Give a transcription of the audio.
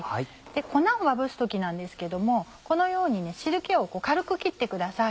粉をまぶす時なんですけどもこのように汁気を軽く切ってください。